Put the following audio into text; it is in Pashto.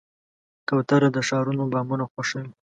کوتره د ښارونو بامونه خوښوي.